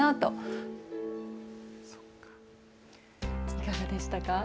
いかがでしたか。